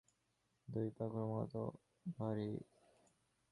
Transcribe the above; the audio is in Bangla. দুই পা ক্রমাগত ব্যথা হচ্ছে এবং সেগুলো ভারী ও ফুলে উঠছে।